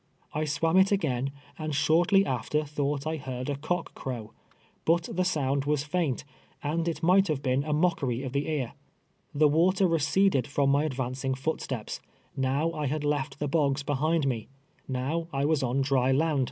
I swam it again, and shortly after thought I heard a cock crow, but the sound was Ifjiint, and it might have been a mockery of the ear. The water receded from my advancing footsteps — now I had left the bogs behind me — now I was on dryland THE SLAVE AND HIS MASTEK.